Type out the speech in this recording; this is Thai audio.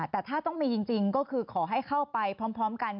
แต่ถ้าต้องมีจริงก็คือขอให้เข้าไปพร้อมกัน